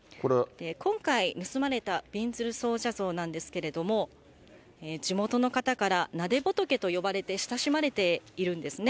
今回、盗まれたびんずる尊者像なんですけれども、地元の方からなで仏と呼ばれて親しまれているんですね。